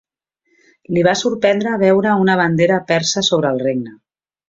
Li va sorprendre veure una bandera persa sobre el regne.